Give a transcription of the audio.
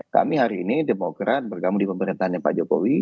kami hari ini demokrat bergabung di pemerintahnya pak jokowi